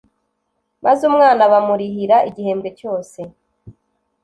maze umwana bamurihira igihembwe cyose”